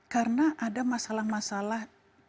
karena ada masalah masalah